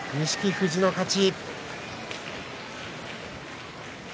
富士の勝ち。